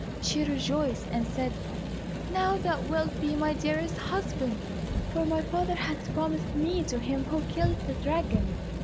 She rejoiced and said, "Now thou wilt be my dearest husband, for my father has promised me to him who kills the dragon."